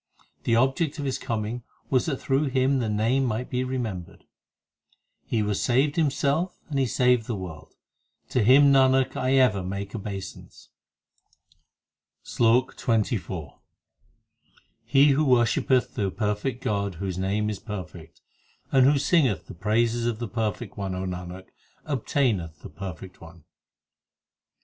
The object of his coming was That through him the Name might be remembered. He was saved himself and he saved the world : To him, Nanak, I ever make obeisance. SLOK XXIV He who worshippeth the perfect God whose name is perfect, And who singeth the praises of the perfect One, O Nanak, obtaineth the perfect One.